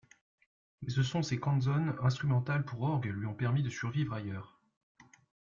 Mais ce sont ses canzone instrumentales pour orgue lui ont permis de survivre ailleurs.